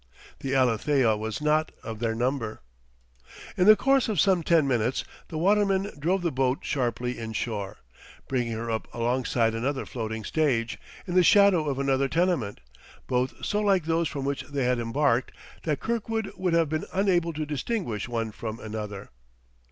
The Alethea was not of their number. In the course of some ten minutes, the watermen drove the boat sharply inshore, bringing her up alongside another floating stage, in the shadow of another tenement. both so like those from which they had embarked that Kirkwood would have been unable to distinguish one from another.